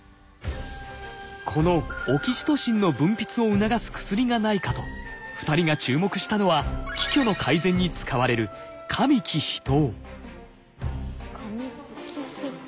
このオキシトシンの分泌を促す薬がないかと２人が注目したのは気虚の改善に使われる加味帰脾湯。